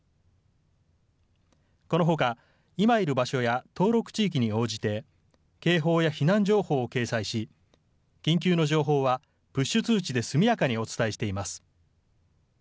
このほか今いる場所や登録地域に応じて警報や避難情報を掲載し緊急の情報はプッシュ通知で速やかにお伝えしています。